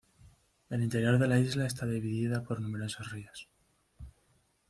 El interior de la isla está dividida por numerosos ríos.